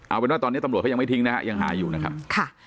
เอาเป็นว่าตอนนี้ตำรวจเขายังไม่ทิ้งนะฮะยังหาอยู่นะครับค่ะ